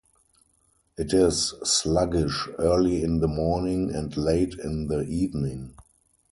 It is sluggish early in the morning and late in the evening.